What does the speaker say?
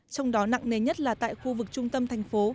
trong đó nặng nề nhất là tại khu vực trung tâm thành phố